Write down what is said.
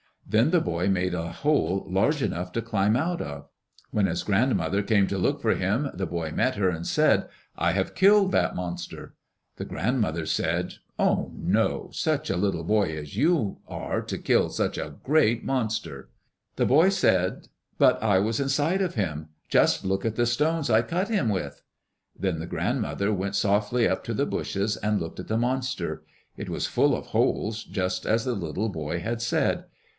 Then the boy made a hole large enough to climb out of. When his grandmother came to look for him, the boy met her and said, "I have killed that monster." The grandmother said, "Oh, no. Such a little boy as you are to kill such a great monster!" The boy said, "But I was inside of him, just look at the stones I cut him with." Then the grandmother went softly up to the bushes, and looked at the monster. It was full of holes, just as the little boy had said.